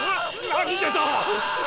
何でだ